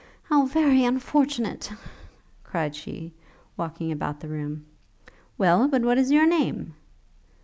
'How very unfortunate!' cried she, walking about the room. 'Well, but what is your name?'